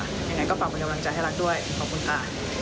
ยังไงก็ฝากเป็นกำลังใจให้รักด้วยขอบคุณค่ะ